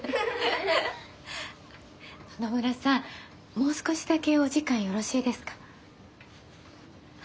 もう少しだけお時間よろしいですか？